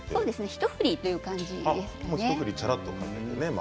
ひと振りという感じですね。